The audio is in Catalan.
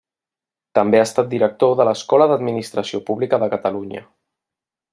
També ha estat director de l’Escola d’Administració Pública de Catalunya.